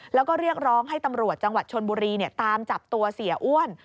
แล้วก็เรียกร้องให้ตำรวจจังหวัดชนบุรีตามจับตัวเสียอ้วน